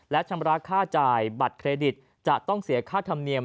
และชำระค่าจ่ายบัตรเครดิตจะต้องเสียค่าธรรมเนียม